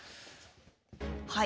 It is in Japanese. はい。